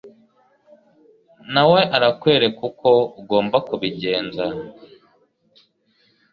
na we arakwereka uko ugomba kubigenza